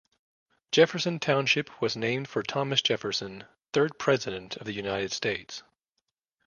Jefferson Township was named for Thomas Jefferson, third President of the United States.